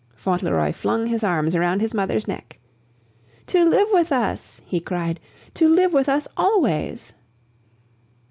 Fauntleroy flung his arms around his mother's neck. "To live with us!" he cried. "To live with us always!"